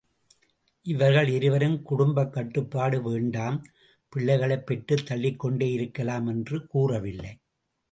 இவர்கள் இருவரும் குடும்பக் கட்டுப்பாடு வேண் டாம், பிள்ளைகளைப் பெற்றுத் தள்ளிக்கொண்டே இருக்கலாம் என்று கூறவில்லை.